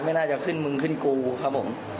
ไม่น่าจะขึ้นมึงขึ้นกูครับผม